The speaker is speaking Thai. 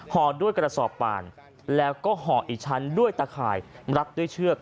ห่อด้วยกระสอบป่านแล้วก็ห่ออีกชั้นด้วยตะข่ายรัดด้วยเชือก